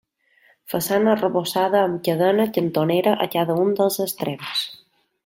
Façana arrebossada amb cadena cantonera a cada un dels extrems.